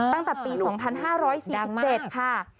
ตั้งแต่ปี๒๕๔๗ค่ะ